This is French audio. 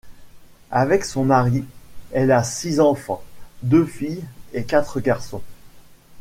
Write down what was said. Avec son mari, elle a six enfants, deux filles et quatre garçons.